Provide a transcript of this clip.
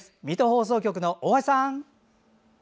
水戸放送局の大橋さん！